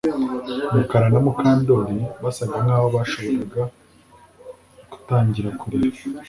Mukara na Mukandoli basaga nkaho bashobora gutangira kurira